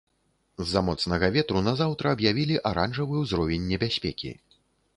З-за моцнага ветру на заўтра аб'явілі аранжавы ўзровень небяспекі.